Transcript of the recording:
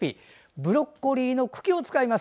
ブロッコリーの茎を使います。